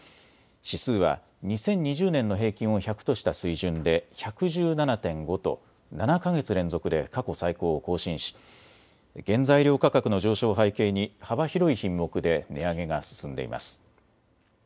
指数は２０２０年の平均を１００とした水準で１１７．５と７か月連続で過去最高を更新し原材料価格の上昇を背景に幅広い品目で値上げが進んでいます。